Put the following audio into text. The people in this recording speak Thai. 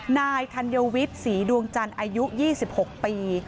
นายธัญวิตศรีดวงจันทร์อายุยี่สิบหกปี